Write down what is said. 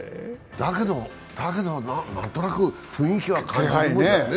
だけど、何となく雰囲気は感じるもんだよね。